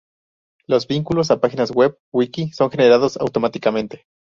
Los vínculos a páginas web "wiki" son generados automáticamente.